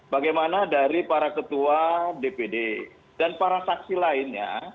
bagaimana dari para ketua dpd dan para saksi lainnya